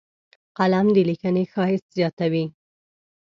قلم د لیکنې ښایست زیاتوي